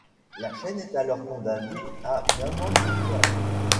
La chaîne est alors condamnée à une amende de dinars.